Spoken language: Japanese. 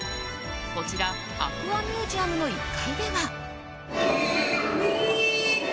こちらアクアミュージアムの１階では。